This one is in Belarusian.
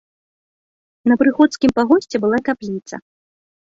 На прыходскім пагосце была капліца.